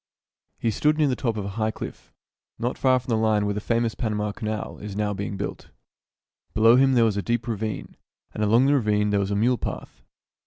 He stood near the top of a high cliff, not far from the line where the famous Panama Canal is now being built. Below him there was a deep ravine, and along the ravine there was a mule path.